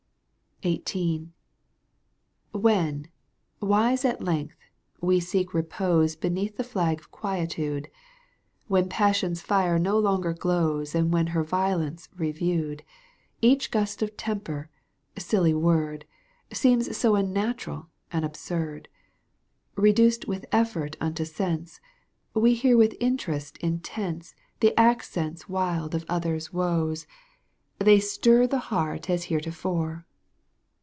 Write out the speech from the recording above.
XVIII. When, wise at length, we seek repose |; Beneath the flag of Quietude, i When Passion's fire no longer glows And when her Violence reviewed — Each gust of temper, silly word, Seems so unnatural and absurd : Eeduced with effort unto sense. We hear with interest intense The accents wild of other's woes, Digitized by CjOOQ IC 48 EUGENE ONEGUINE. canto п. They stir the heart as heretofore.